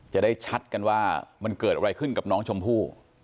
จะได้ชัดกันว่ามันเกิดอะไรขึ้นกับน้องชมพู่